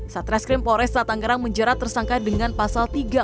satreskrim polres tangerang menjerat tersangka dengan penyidik